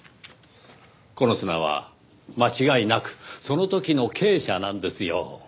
この砂は間違いなくその時の珪砂なんですよ。